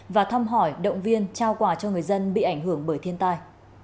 và thăm hỏi động viên trao quà cho người dân bị ảnh hưởng bởi thiên tai